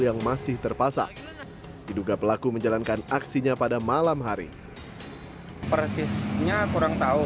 yang masih terpasang diduga pelaku menjalankan aksinya pada malam hari persisnya kurang tahu